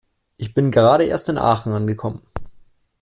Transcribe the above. Ich bin gerade erst in Aachen angekommen